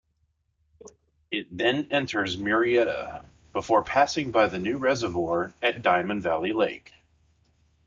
It then enters Murrieta before passing by the new reservoir at Diamond Valley Lake.